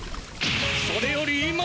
それより今だ！